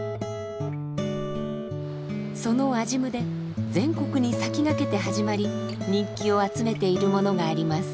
その安心院で全国に先駆けて始まり人気を集めているものがあります。